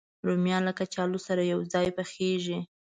رومیان له کچالو سره یو ځای پخېږي